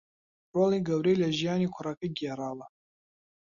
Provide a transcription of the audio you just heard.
رۆڵی گەورەی لە ژیانی کوڕەکەی گێڕاوە